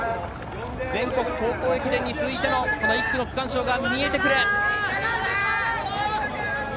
全国高校駅伝に続いての区間賞が見えてくる。